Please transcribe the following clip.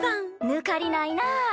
ぬかりないなあ。